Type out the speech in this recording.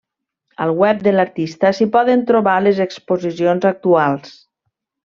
Al web de l'artista s'hi poden trobar les exposicions actuals.